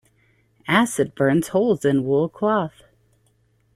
Acid burns holes in wool cloth.